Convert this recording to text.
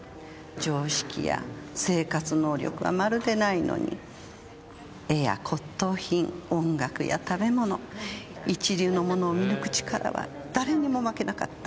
常識や生活能力はまるでないのに絵や骨董品音楽や食べ物一流のものを見抜く力は誰にも負けなかった。